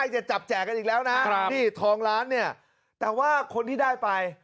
จะจับแจกกันอีกแล้วนะนี่ทองล้านเนี่ยแต่ว่าคนที่ได้ไป